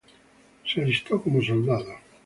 Se alistó como un soldado.